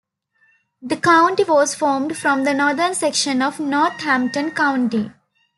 The county was formed from the northern section of Northampton County.